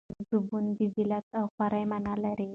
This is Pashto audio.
زبون د ذلت او خوارۍ مانا لري.